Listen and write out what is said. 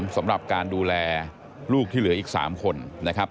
สำหรับการดูแลลูกที่เหลืออีก๓คนนะครับ